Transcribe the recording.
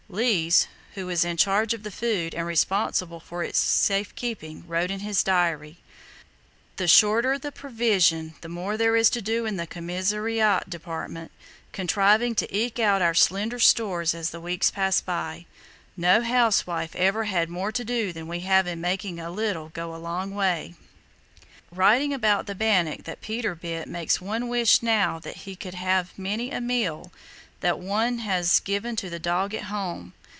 Lees, who was in charge of the food and responsible for its safe keeping, wrote in his diary: "The shorter the provisions the more there is to do in the commissariat department, contriving to eke out our slender stores as the weeks pass by. No housewife ever had more to do than we have in making a little go a long way. "Writing about the bannock that Peter bit makes one wish now that one could have many a meal that one has given to the dog at home.